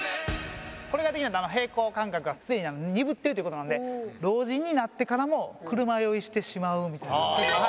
これができないと平衡感覚がすでに鈍ってるという事なので老人になってからも車酔いしてしまうみたいな。